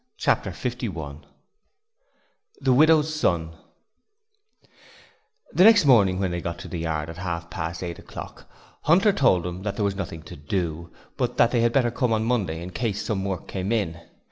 Chapter 51 The Widow's Son The next morning when they went to the yard at half past eight o'clock Hunter told them that there was nothing to do, but that they had better come on Monday in case some work came in.